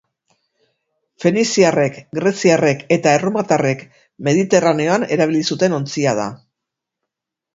Feniziarrek, greziarrek eta erromatarrek Mediterraneoan erabili zuten ontzia da.